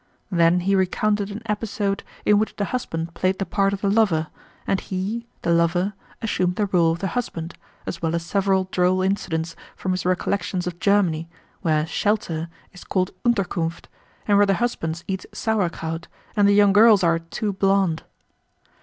Then he recounted an episode in which the husband played the part of the lover, and he—the lover—assumed the role of the husband, as well as several droll incidents from his recollections of Germany, where "shelter" is called Unterkunft and where the husbands eat sauerkraut and the young girls are "too blonde."